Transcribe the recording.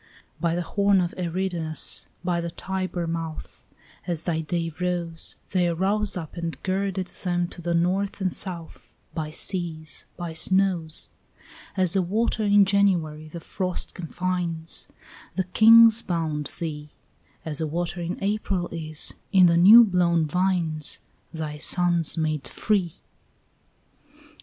By the horn of Eridanus, by the Tiber mouth, As thy day rose, They arose up and girded them to the north and south, By seas, by snows. As a water in January the frost confines, Thy kings bound thee; As a water in April is, in the new blown vines, Thy sons made free.